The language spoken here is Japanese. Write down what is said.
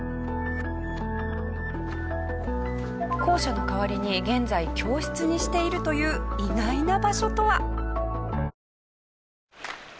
校舎の代わりに現在教室にしているという意外な場所とは？